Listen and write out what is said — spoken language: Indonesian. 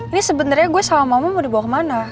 ini sebenernya gue sama mama mau dibawa kemana